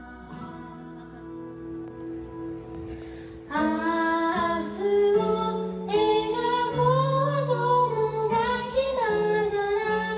「明日を描こうともがきながら」